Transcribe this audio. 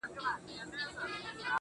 را سهید سوی، ساقي جانان دی.